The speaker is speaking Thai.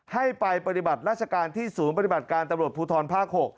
ให้ไปปฏิบัติราชการที่ศูนย์ปฏิบัติการตำรวจภูทรภาค๖